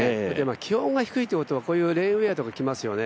気温が低いということはこういうレインウエアとか着ますよね。